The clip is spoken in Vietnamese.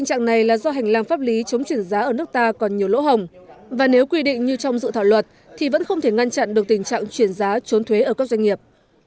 những quy định làm pháp lý chống chuyển giá ở nước ta còn nhiều lỗ hồng và nếu quy định như trong dự thảo luật thì vẫn không thể ngăn chặn được tình trạng chuyển giá trốn thuế ở các doanh nghiệp